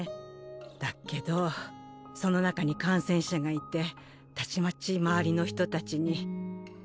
だっけどその中に感染者がいてたちまち周りの人たちに。